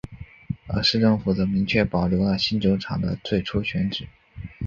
而市政府则明确保留了新球场的最初选址。